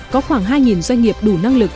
có khoảng hai doanh nghiệp đủ năng lực